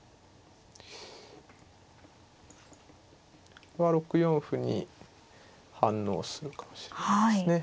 これは６四歩に反応するかもしれないですね。